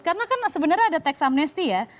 karena kan sebenarnya ada teks amnesti ya